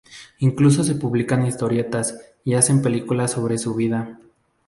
Incluso se publican historietas y se hacen películas sobre su vida.